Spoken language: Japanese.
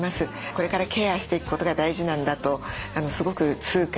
これからケアしていくことが大事なんだとすごく痛感しました。